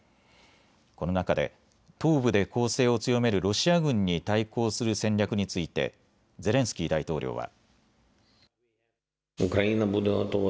この中で、東部で攻勢を強めるロシア軍に対抗する戦略についてゼレンスキー大統領は。